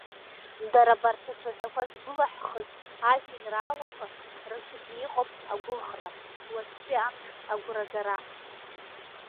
Дара абарҭ ацәаҳәақәа згәылаҳхыз ажәеинраалақәа рҿгьы иҟоуп агәыӷра, уаҵәтәи амш агәрагара.